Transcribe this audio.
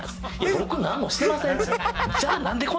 僕何もしてません！